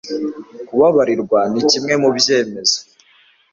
kubabarirwa ni kimwe mubyemezo